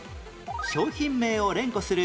商品名を連呼するテレビ